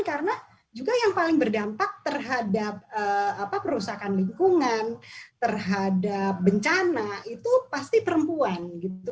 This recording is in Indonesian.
karena juga yang paling berdampak terhadap perusakan lingkungan terhadap bencana itu pasti perempuan gitu